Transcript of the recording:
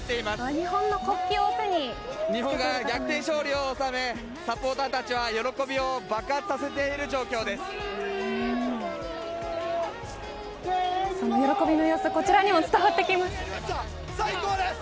日本が逆転勝利を収めサポーターたちは喜びを喜びの様子最高です。